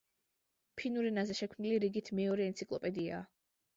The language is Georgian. ფინურ ენაზე შექმნილი რიგით მეორე ენციკლოპედიაა.